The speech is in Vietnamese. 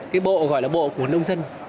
cái bộ gọi là bộ của nông dân